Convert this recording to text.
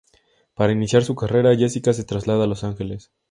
Para iniciar su carrera, Jessica se traslada a Los Ángeles.